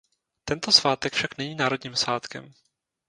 Tento svátek však není národním svátkem.